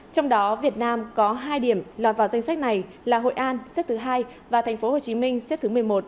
trong đó việt nam có hai điểm lọt vào danh sách này là hội an xếp thứ hai và tp hcm xếp thứ một mươi một